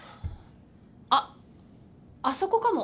あっあそこかも。